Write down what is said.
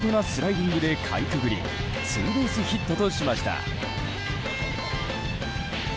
相手センターの好返球を見事なスライディングでかいくぐりツーベースヒットとしました。